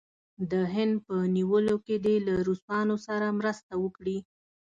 د هند په نیولو کې دې له روسانو سره مرسته وکړي.